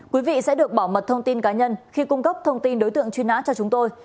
quý vị sẽ được bảo mật thông tin cá nhân khi cung cấp thông tin đối tượng truy nã cho chúng tôi